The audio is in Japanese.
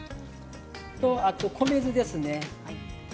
あと米酢ですね。